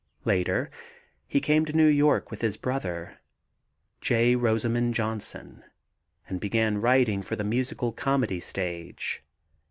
Later he came to New York with his brother, J. Rosamond Johnson, and began writing for the musical comedy stage.